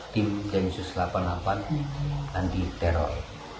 tim densus delapan puluh delapan anti teror